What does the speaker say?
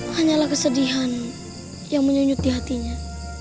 hanyalah kesedihan yang menyunyut di hatinya